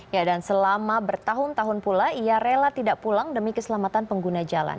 ya dan selama bertahun tahun pula ia rela tidak pulang demi keselamatan pengguna jalan